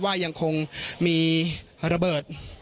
ว่ายังคงมีระเบิด